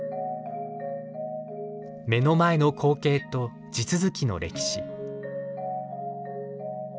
目の前の光景と地続きの歴史。